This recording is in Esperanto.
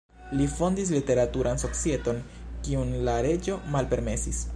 Li fondis literaturan societon, kiun la reĝo malpermesis.